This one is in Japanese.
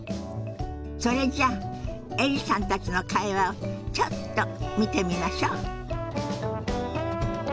それじゃエリさんたちの会話をちょっと見てみましょ。